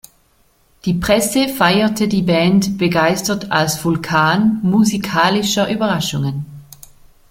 Die Presse feierte die Band begeistert als „Vulkan musikalischer Überraschungen“.